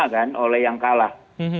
kan oleh yang kalah